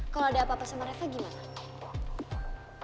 kalau ada apa apa sama reva gimana